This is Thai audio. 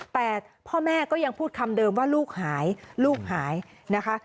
แต่พ่อแม่ก็ยังพูดคำเดิมว่าลูกหายลูกหายนะคะ